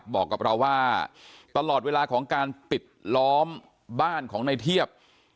บอกกับเราว่าตลอดเวลาของการปิดล้อมบ้านของในเทียบ